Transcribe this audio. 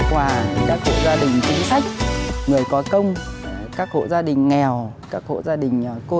vừa là lơi đất tương đối là cao